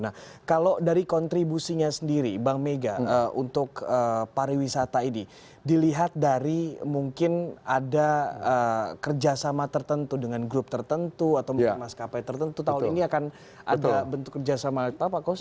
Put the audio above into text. nah kalau dari kontribusinya sendiri bank mega untuk pariwisata ini dilihat dari mungkin ada kerjasama tertentu dengan grup tertentu atau mungkin maskapai tertentu tahun ini akan ada bentuk kerjasama